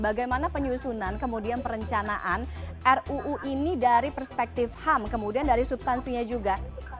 bagaimana penyusunan kemudian perencanaan ruu ini dari perspektif ham kemudian dari substansinya juga